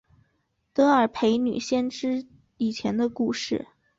德尔斐女先知以前的故事。